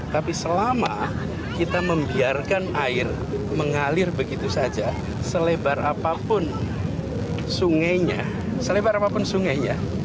tapi selama kita membiarkan air mengalir begitu saja selebar apapun sungainya